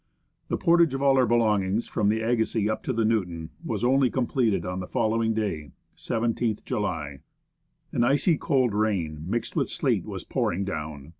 The portage of all our belongings, froni the Agassiz up to the Newton, was only completed on the following day (17th July). An icy cold rain, mixed with sleet, was pouring down.